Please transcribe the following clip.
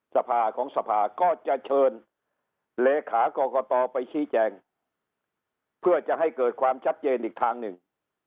สภาของสภาก็จะเชิญเลขากรกตไปชี้แจงเพื่อจะให้เกิดความชัดเจนอีกทางหนึ่ง